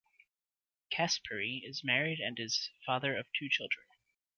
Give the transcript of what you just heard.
Caspary is married and is father of two children.